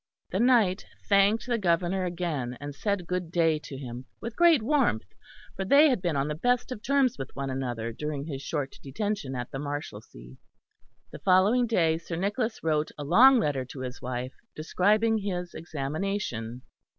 The knight thanked the Governor again, and said good day to him with great warmth; for they had been on the best of terms with one another during his short detention at the Marshalsea. The following day Sir Nicholas wrote a long letter to his wife describing his examination.